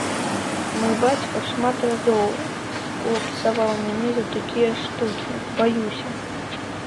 Мой бацька шмат разоў лупцаваў мяне за такія штукі, баюся!